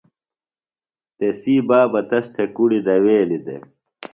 تسی بابہ تس تھےۡ کُڑیۡ دویلیۡ دےۡ۔